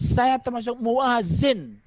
saya termasuk mu'azzin